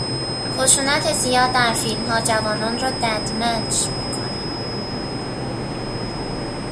خشونت زیاد در فیلمها جوانان را ددمنش میکند.